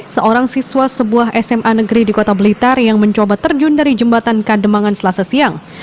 seorang siswa sebuah sma negeri di kota blitar yang mencoba terjun dari jembatan kademangan selasa siang